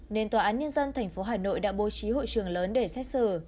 nên tòa án nhân dân tp hà nội đã bố trí hội trường lớn để xét xử